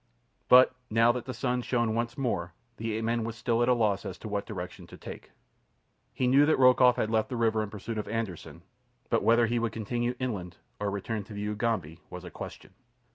But now that the sun shone once more, the ape man was still at a loss as to what direction to take. He knew that Rokoff had left the river in pursuit of Anderssen, but whether he would continue inland or return to the Ugambi was a question.